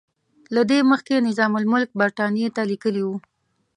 له دې مخکې نظام الملک برټانیې ته لیکلي وو.